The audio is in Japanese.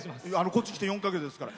こっち来て４か月ですから。